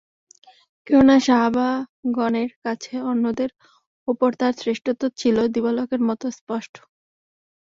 কেননা, সাহাবাগণের কাছে অন্যদের উপর তার শ্রেষ্ঠত্ব ছিল দিবালোকের মত স্পষ্ট।